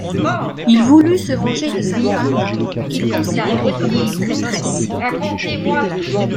Il voulut se venger de sa femme qu'il considérait comme une traîtresse.